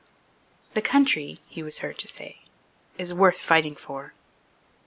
"The country," he was heard to say, "is worth fighting for."